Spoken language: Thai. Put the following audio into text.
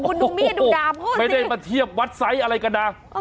คุณดูมีดดูดามเฮ้ยไม่ได้มาเทียบวัดไซส์อะไรกันนะ